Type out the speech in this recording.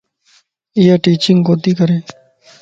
ايا ٽيچنگ ڪوتي ڪري